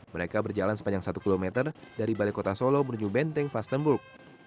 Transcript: mereka berjalan sepanjang satu km dari balai kota solo menuju benteng fastenburg